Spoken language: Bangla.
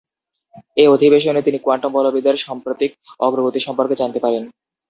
এই অধিবেশনে তিনি কোয়ান্টাম বলবিদ্যার সাম্প্রতিক অগ্রগতি সম্পর্কে জানতে পারেন।